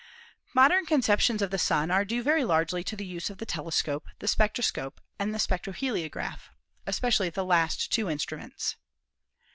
Modern conceptions of the Sun are due very largely to the use of the telescope, the spectroscope and the spec troheliograph, especially the last two instruments.